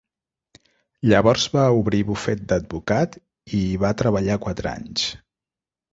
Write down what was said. Llavors va obrir bufet d'advocat i hi va treballar quatre anys.